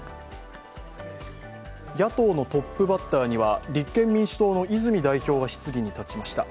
野党のトップバッターには立憲民主党の泉代表が質疑に立ちました。